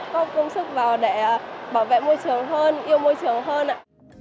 có công sức vào để bảo vệ môi trường hơn yêu môi trường hơn ạ